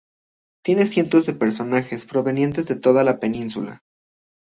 Tiene cientos de personajes provenientes de toda la península.